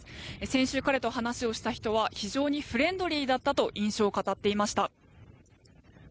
先週、彼と話をした人は非常にフレンドリーだったと印象を語っていました。